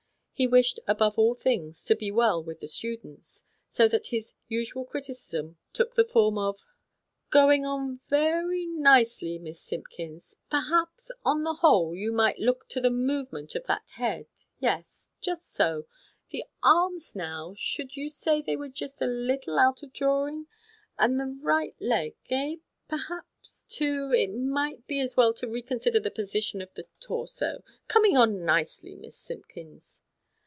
He wished, above all things, to be well with the students, so that his usual criticism .took the form of :" Going on ve r y nicely, Miss Simpkins. Perhaps, on the whole, you might look to the movement of that head. Yes, just so. The arms, now, should you say they were just a little out of drawing ? And the right leg, eh ? perhaps, too, it might be as well to reconsider the position of the torso. Coming on nicely, Miss Simpkins."